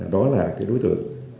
đó là đối tượng